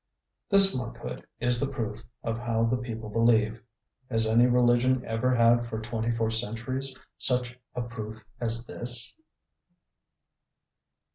This monkhood is the proof of how the people believe. Has any religion ever had for twenty four centuries such a proof as this?